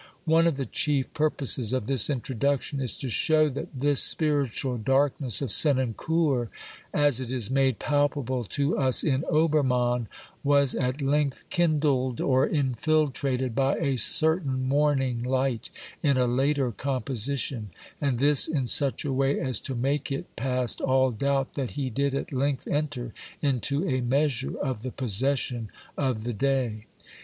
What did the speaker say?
One of the chief purposes of this introduction is to show that this spiritual darkness of Senancour, as it is made palpable to us in Obermann, was at length kindled or infiltrated by a certain morning light, in a later composition, and this in such a way as to make it past all doubt that he did at length enter into a measure of the possession of the day.